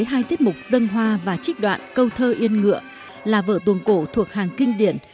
hai tiết mục dân hoa và trích đoạn câu thơ yên ngựa là vở tuồng cổ thuộc hàng kinh điển